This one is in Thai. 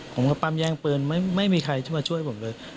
ผมก็ปั๊มแย่งปืนไม่มีใครที่มาช่วยผมเลย